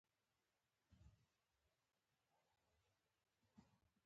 هېواد د شریکتیا سمبول دی.